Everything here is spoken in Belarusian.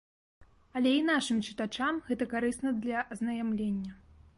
Але і нашым чытачам гэта карысна для азнаямлення.